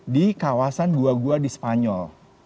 di kawasan gua gua di spanyol